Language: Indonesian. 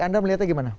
anda melihatnya gimana